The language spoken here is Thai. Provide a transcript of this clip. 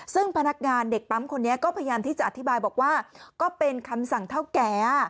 ซึ่งพนักงานเด็กปั๊มคนนี้ก็พยายามที่จะอธิบายบอกว่าก็เป็นคำสั่งเท่าแก่